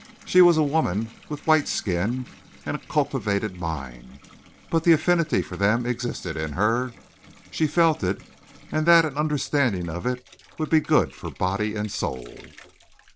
She was a woman with white skin and a cultivated mind, but the affinity for them existed in her. She felt it, and that an understanding of it would be good for body and soul.